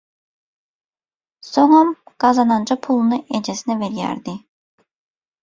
Soňam gazananja puluny ejesine berýärdi.